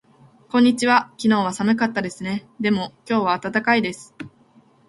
こんにちは。昨日は寒かったですね。でも今日は暖かいです。